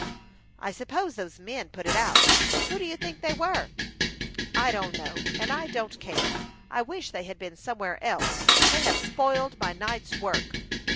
"I suppose those men put it out. Who do you think they were?" "I don't know, and I don't care. I wish they had been somewhere else. They have spoiled my night's work."